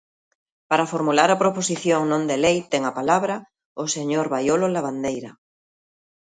Para formular a proposición non de lei ten a palabra o señor Baiolo Lavandeira.